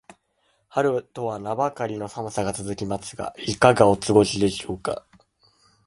春とは名ばかりの寒さが続きますが、いかがお過ごしでしょうか。